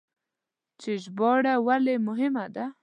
چې ژباړه ولې مهمه ده؟